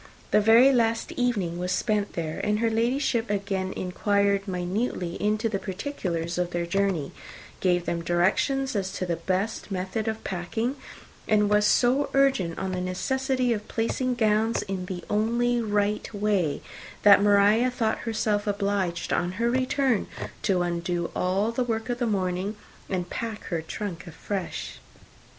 The very last evening was spent there; and her Ladyship again inquired minutely into the particulars of their journey, gave them directions as to the best method of packing, and was so urgent on the necessity of placing gowns in the only right way, that Maria thought herself obliged, on her return, to undo all the work of the morning, and pack her trunk afresh.